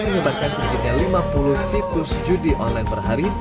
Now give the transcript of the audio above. menyebarkan sedikitnya lima puluh situs judi online per hari